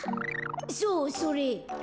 そうそれ。